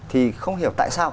thì không hiểu tại sao